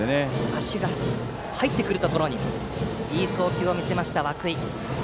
足が入ってくるところにいい送球を見せた、涌井。